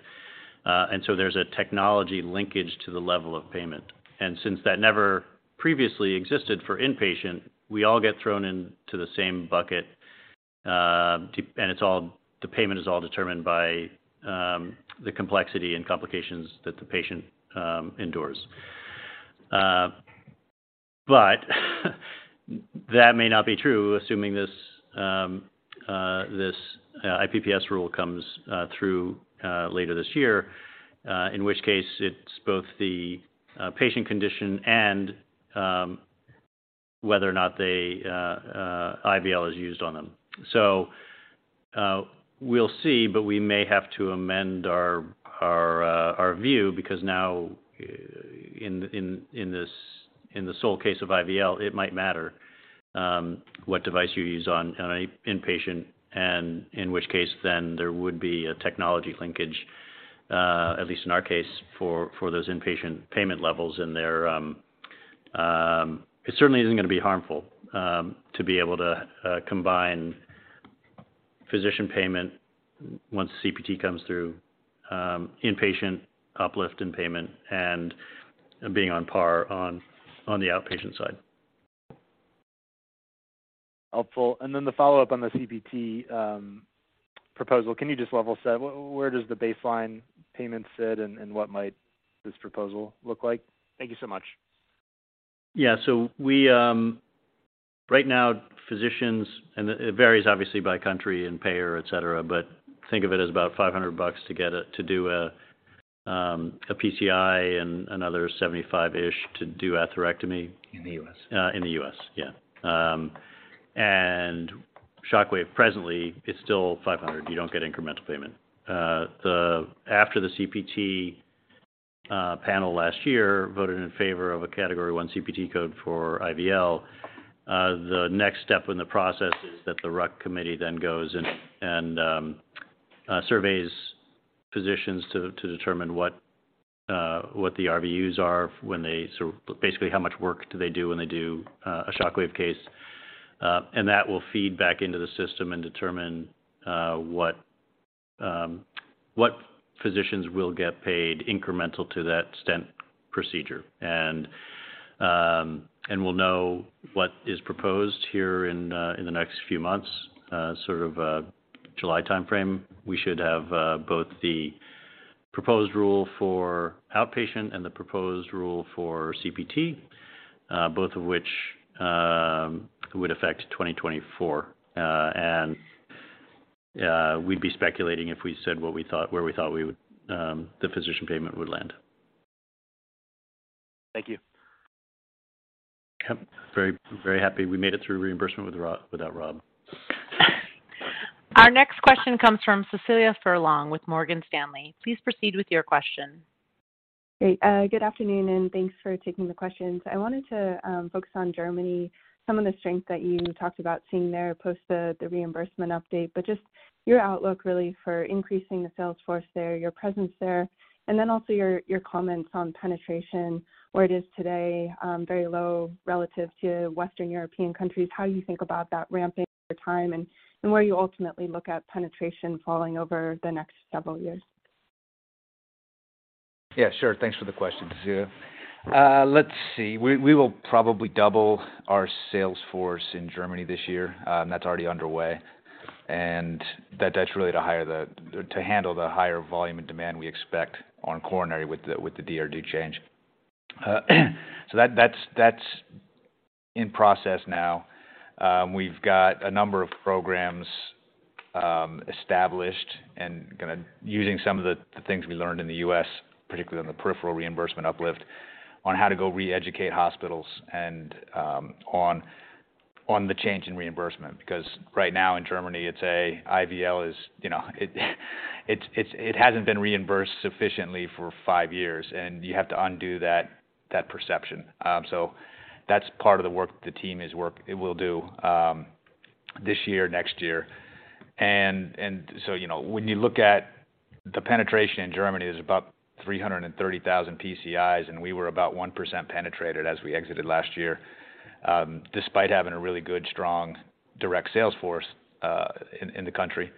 There's a technology linkage to the level of payment. Since that never previously existed for inpatient, we all get thrown into the same bucket, the payment is all determined by the complexity and complications that the patient endures. That may not be true, assuming this IPPS rule comes through later this year, in which case it's both the patient condition and whether or not they IVL is used on them. We'll see, but we may have to amend our view because now in this, in the sole case of IVL, it might matter what device you use on a inpatient and in which case then there would be a technology linkage, at least in our case, for those inpatient payment levels in their. It certainly isn't gonna be harmful to be able to combine physician payment once CPT comes through, inpatient uplift in payment and being on par on the outpatient side. Helpful. The follow-up on the CPT proposal, can you just level set, where does the baseline payment sit and what might this proposal look like? Thank you so much. Yeah. We, right now, physicians, and it varies obviously by country and payer, etcetera, but think of it as about $500 to do a PCI. Another $75-ish to do atherectomy. In the U.S. In the U.S., yeah. And Shockwave presently is still 500. You don't get incremental payment. The after the CPT panel last year voted in favor of a Category 1 CPT code for IVL. The next step in the process is that the RUC committee then goes and surveys physicians to determine what the RVUs are, when they sort of, basically, how much work do they do when they do a Shockwave case. And that will feed back into the system and determine what physicians will get paid incremental to that stent procedure. And we'll know what is proposed here in the next few months, sort of, July timeframe. We should have both the proposed rule for outpatient and the proposed rule for CPT, both of which would affect 2024. We'd be speculating if we said where we thought we would, the physician payment would land. Thank you. Yep. Very, very happy we made it through reimbursement without Rob. Our next question comes from Cecilia Furlong with Morgan Stanley. Please proceed with your question. Great. Good afternoon, thanks for taking the questions. I wanted to focus on Germany, some of the strength that you talked about seeing there post the reimbursement update. Just your outlook really for increasing the sales force there, your presence there, and then also your comments on penetration, where it is today, very low relative to Western European countries. How you think about that ramping over time, and where you ultimately look at penetration falling over the next several years? Yeah, sure. Thanks for the question, Cecilia. Let's see. We will probably double our sales force in Germany this year. That's already underway, and that's really to handle the higher volume and demand we expect on coronary with the DRG change. That's in process now. We've got a number of programs established and using some of the things we learned in the U.S., particularly on the peripheral reimbursement uplift, on how to go re-educate hospitals and on the change in reimbursement. Right now in Germany, IVL is, you know, it hasn't been reimbursed sufficiently for five years, and you have to undo that perception. That's part of the work the team it will do this year, next year. You know, when you look at the penetration in Germany, there's about 330,000 PCIs, and we were about 1% penetrated as we exited last year, despite having a really good, strong direct sales force in the country.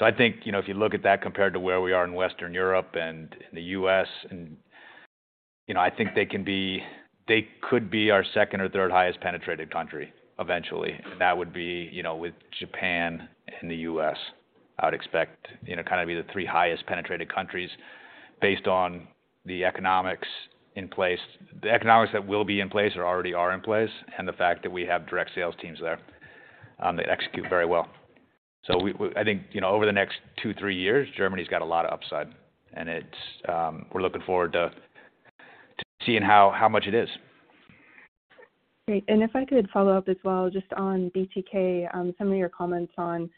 I think, you know, if you look at that compared to where we are in Western Europe and in the U.S., you know, I think they can be, they could be our second or third highest penetrated country eventually. That would be, you know, with Japan and the U.S., I would expect, you know, kind of be the three highest penetrated countries based on the economics in place. The economics that will be in place or already are in place, and the fact that we have direct sales teams there that execute very well. I think, you know, over the next two, three years, Germany's got a lot of upside. It's, we're looking forward to seeing how much it is. Great. If I could follow up as well, just on BTK, some of your comments on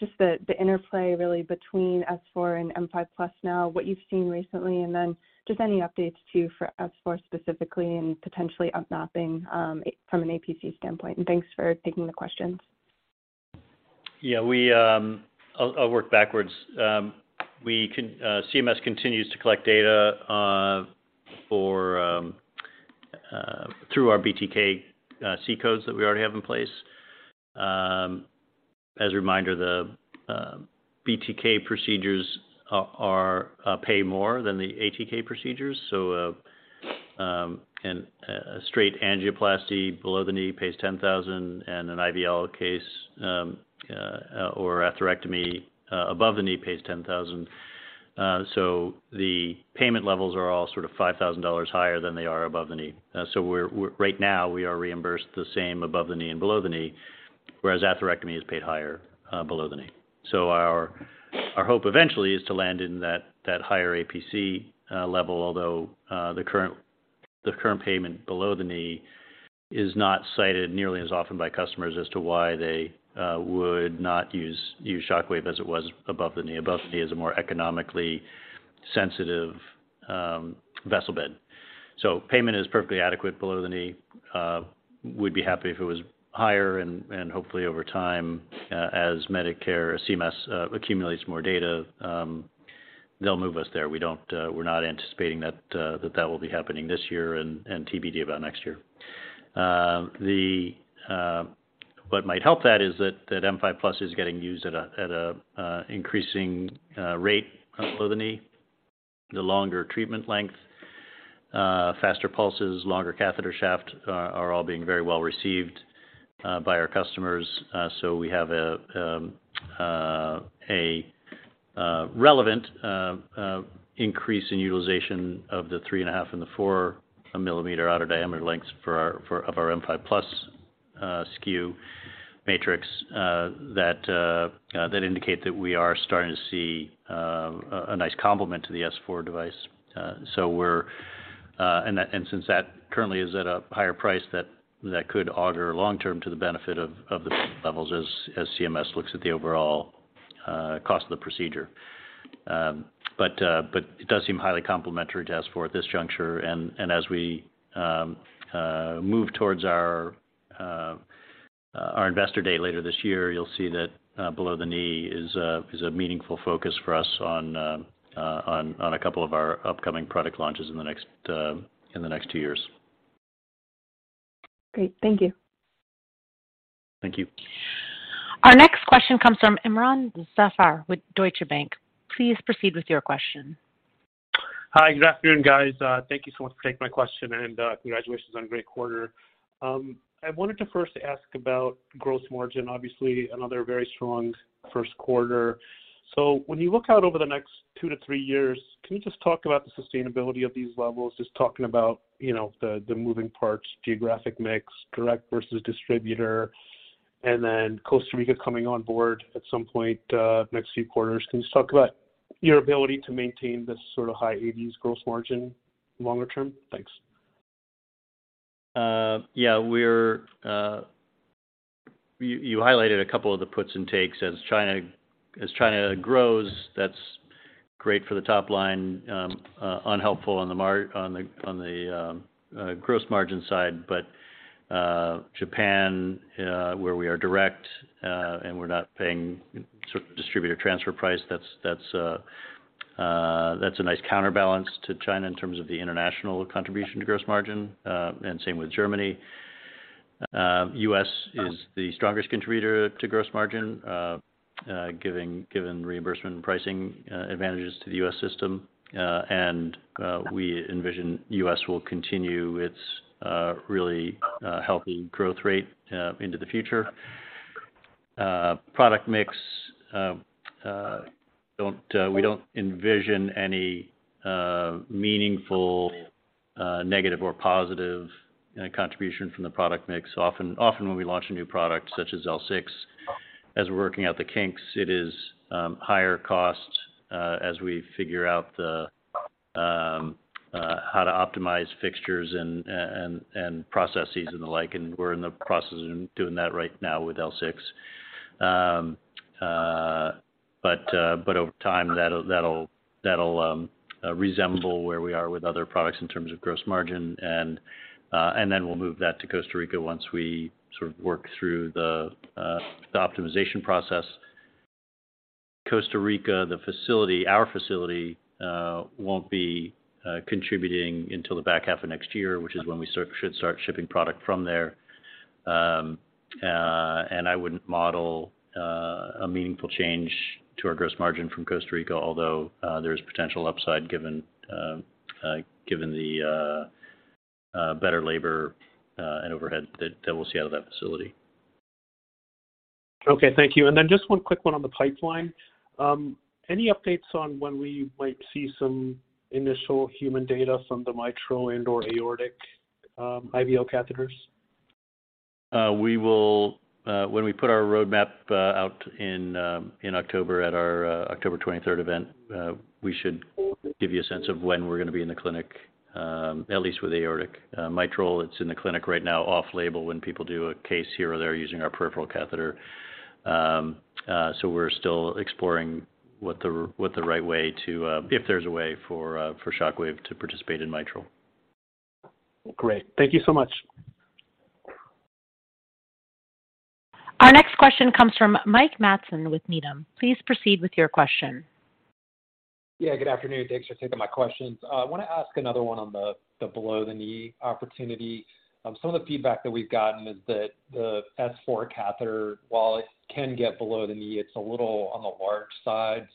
just the interplay really between S4 and M5+ now, what you've seen recently, then just any updates too for S4 specifically and potentially up mapping from an APC standpoint. Thanks for taking the questions. Yeah. I'll work backwards. CMS continues to collect data for through our BTK C codes that we already have in place. As a reminder, BTK procedures are pay more than the ATK procedures. A straight angioplasty below the knee pays $10,000, and an IVL case or atherectomy above the knee pays $10,000. The payment levels are all sort of $5,000 higher than they are above the knee. Right now, we are reimbursed the same above the knee and below the knee, whereas atherectomy is paid higher below the knee. Our hope eventually is to land in that higher APC level, although the current payment below the knee is not cited nearly as often by customers as to why they would not use Shockwave as it was above the knee. Above the knee is a more economically sensitive vessel bed. Payment is perfectly adequate below the knee. We'd be happy if it was higher and hopefully over time, as Medicare CMS accumulates more data, they'll move us there. We don't we're not anticipating that will be happening this year and TBD about next year. The what might help that is that M5 plus is getting used at a increasing rate below the knee. The longer treatment length, faster pulses, longer catheter shaft are all being very well received by our customers. We have a relevant increase in utilization of the 3.5 mm and the 4 mm outer diameter lengths of our M5+ SKU matrix that indicate that we are starting to see a nice complement to the S4 device. We're. Since that currently is at a higher price that could order long-term to the benefit of the levels as CMS looks at the overall cost of the procedure. It does seem highly complementary to S4 at this juncture. As we move towards our investor day later this year, you'll see that below the knee is a meaningful focus for us on a couple of our upcoming product launches in the next two years. Great. Thank you. Thank you. Our next question comes from Imron Zafar with Deutsche Bank. Please proceed with your question. Hi, good afternoon, guys. Thank you so much for taking my question, and congratulations on a great quarter. I wanted to first ask about gross margin. Obviously another very strong first quarter. When you look out over the next two to three years, can you just talk about the sustainability of these levels? Just talking about, you know, the moving parts, geographic mix, direct versus distributor, and then Costa Rica coming on board at some point, next few quarters. Can you just talk about your ability to maintain this sort of high 80s gross margin longer term? Thanks. Yeah, we're. You highlighted a couple of the puts and takes. As China grows, that's great for the top line, unhelpful on the gross margin side. Japan, where we are direct, and we're not paying sort of distributor transfer price, that's a nice counterbalance to China in terms of the international contribution to gross margin, and same with Germany. U.S. is the strongest contributor to gross margin, given reimbursement and pricing advantages to the U.S. system. We envision U.S. will continue its really healthy growth rate into the future. Product mix, we don't envision any meaningful negative or positive contribution from the product mix. Often when we launch a new product such as L6, as we're working out the kinks, it is higher cost as we figure out how to optimize fixtures and processes and the like, and we're in the process of doing that right now with L6. But over time, that'll resemble where we are with other products in terms of gross margin. Then we'll move that to Costa Rica once we sort of work through the optimization process. Costa Rica, the facility, our facility won't be contributing until the back half of next year, which is when we sort of should start shipping product from there. I wouldn't model a meaningful change to our gross margin from Costa Rica, although there is potential upside given given the better labor and overhead that we'll see out of that facility. Okay. Thank you. Just one quick one on the pipeline. Any updates on when we might see some initial human data from the mitral and/or aortic IVL catheters? We will, when we put our roadmap out in October at our October 23rd event, we should give you a sense of when we're gonna be in the clinic at least with aortic. Mitral, it's in the clinic right now off-label when people do a case here or there using our peripheral catheter. We're still exploring what the right way to, if there's a way for Shockwave to participate in mitral. Great. Thank you so much. Our next question comes from Mike Matson with Needham. Please proceed with your question. Yeah, good afternoon. Thanks for taking my questions. I wanna ask another one on the below the knee opportunity. Some of the feedback that we've gotten is that the S4 catheter, while it can get below the knee, it's a little on the large side.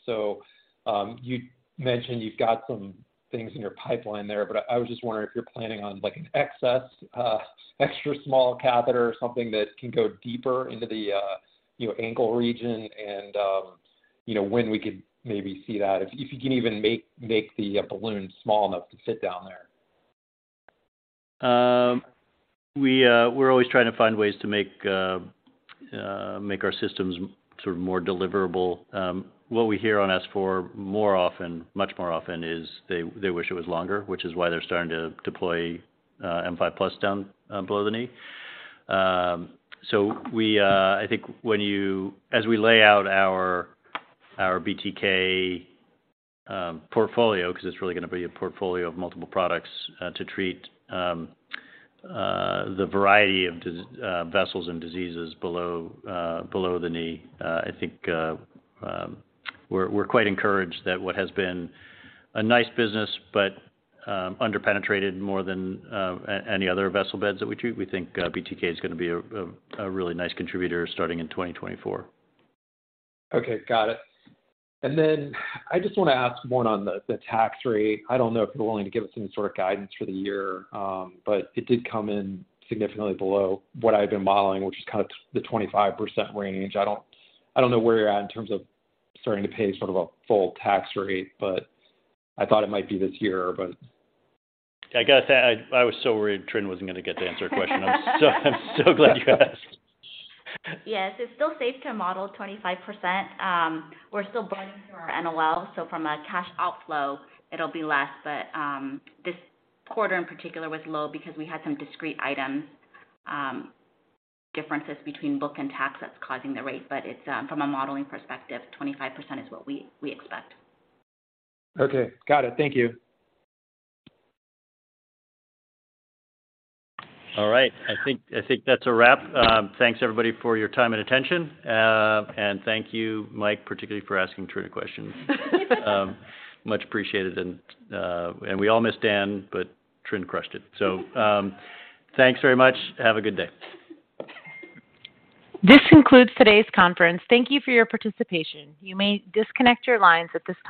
You mentioned you've got some things in your pipeline there, but I was just wondering if you're planning on like an XS, extra small catheter or something that can go deeper into the, you know, ankle region and, you know, when we could maybe see that, if you can even make the balloon small enough to fit down there. We're always trying to find ways to make our systems sort of more deliverable. What we hear on Shockwave S4 more often, much more often, is they wish it was longer, which is why they're starting to deploy Shockwave M5+ down below the knee. I think when you as we lay out our BTK portfolio, 'cause it's really gonna be a portfolio of multiple products to treat the variety of vessels and diseases below the knee, I think we're quite encouraged that what has been a nice business but under-penetrated more than any other vessel beds that we treat. We think BTK is gonna be a really nice contributor starting in 2024. Okay. Got it. I just wanna ask one on the tax rate. I don't know if you're willing to give us any sort of guidance for the year. It did come in significantly below what I've been modeling, which is kind of the 25% range. I don't know where you're at in terms of starting to pay sort of a full tax rate, but I thought it might be this year. I gotta say, I was so worried Trinh wasn't gonna get to answer a question. I'm so glad you asked. Yes. It's still safe to model 25%. We're still burning through our NOL, so from a cash outflow, it'll be less. This quarter in particular was low because we had some discrete items, differences between book and tax that's causing the rate. It's, from a modeling perspective, 25% is what we expect. Okay. Got it. Thank you. All right. I think that's a wrap. Thanks everybody for your time and attention. Thank you, Mike, particularly for asking Trinh a question. Much appreciated. We all miss Dan, but Trinh crushed it. Thanks very much. Have a good day. This concludes today's conference. Thank you for your participation. You may disconnect your lines at this time.